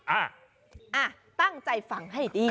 อ่ะตั้งใจฟังให้ดี